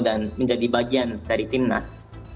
dan menjadi bagian dari timnas